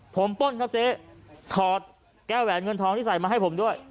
ผมป้นครับเจ๊ถอดแก้วแหวนเงินทองที่ใส่มาให้ผมด้วย